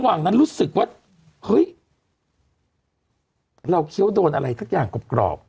หวังนั้นรู้สึกว่าเฮ้ยเราเคี้ยวโดนอะไรสักอย่างกรอบ